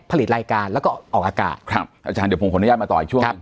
ผลิตรายการแล้วก็ออกอากาศครับอาจารย์เดี๋ยวผมขออนุญาตมาต่ออีกช่วงหนึ่ง